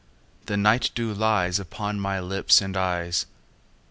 The night dew lies Upon my lips and eyes.